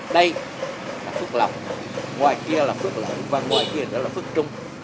đây là phước lộc ngoài kia là phước lợi và ngoài kia là phước trung